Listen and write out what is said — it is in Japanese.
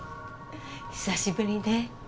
久しぶりね